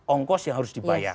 ongkos yang harus dibayar